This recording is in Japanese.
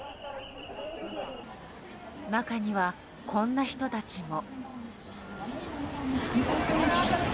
中には、こんな人たちも。